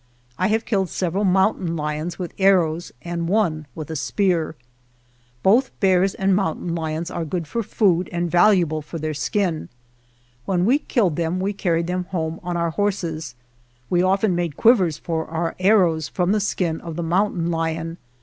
I have killed several mountain lions with ar rows, and one with a spear. Both bears and 33 GERONIMO mountain lions are good for food and valu able for their skin. When we killed them we carried them home on our horses. We often made quivers for our arrows from the skin of the mountain lion.